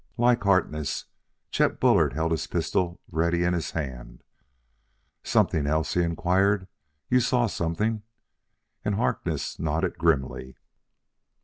Like Harkness, Chet Bullard held his pistol ready in his hand. "Something else?" he inquired. "You saw something?" And Harkness nodded grimly.